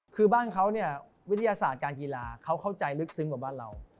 คือบ้านเขาเนี่ยวิทยาศาสตร์การกีฬาเขาเข้าใจลึกซึ้งกว่าบ้านเรา